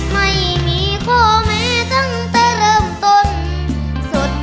ไม่มีข้อแม้ตั้งแต่เริ่มต้นสุด